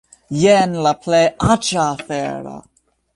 Jen la plej aĉa afero!